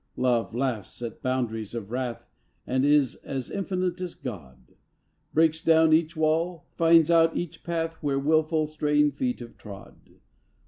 Love laughs at boundaries of wrath And is as infinite as God; Breaks down each wall, finds out each path Where wilful, straying feet have trod.